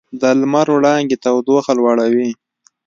د لمر وړانګې تودوخه لوړوي.